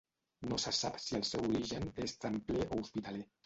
No se sap si el seu origen és templer o hospitaler.